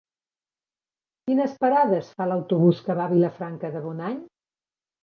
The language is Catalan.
Quines parades fa l'autobús que va a Vilafranca de Bonany?